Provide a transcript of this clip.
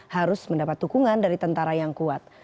harus mendapat dukungan dari tentara yang kuat